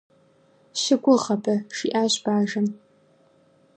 - Щыгугъ абы! - жиӏащ бажэм.